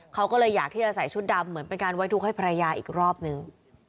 เขาก็เลยอยากที่จะใส่ชุดดำเหมือนเป็นการไว้ทุกข์ให้ภรรยาอีกรอบนึง